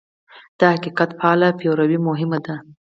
د حقیقت فعاله پیروي مهمه ده.